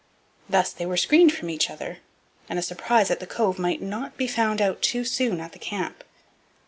Thus they were screened from each other, and a surprise at the Cove might not be found out too soon at the camp.